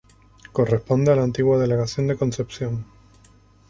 Corresponde a la antigua Delegación de Concepción.